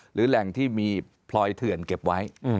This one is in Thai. หรือแหล่งที่มีพลอยเถื่อนเก็บไว้